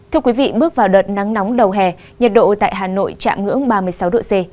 thưa quý vị bước vào đợt nắng nóng đầu hè nhiệt độ tại hà nội chạm ngưỡng ba mươi sáu độ c